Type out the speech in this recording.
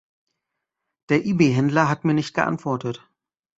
Der Ebay-Händler hat mir nicht geantwortet.